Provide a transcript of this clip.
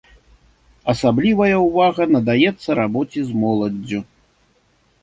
Асаблівая ўвага надаецца рабоце з моладдзю.